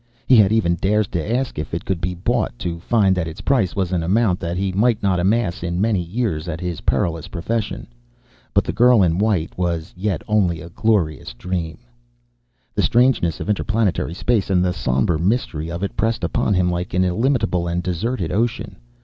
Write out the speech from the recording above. He had even dared to ask if it could be bought, to find that its price was an amount that he might not amass in many years at his perilous profession. But the girl in white was yet only a glorious dream.... [Illustration: Gigantic claws seemed to reach out of empty air.] The strangeness of interplanetary space, and the somber mystery of it, pressed upon him like an illimitable and deserted ocean.